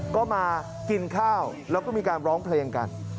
ก็มากินข้าวแล้วก็มีการร้องเพลงกัน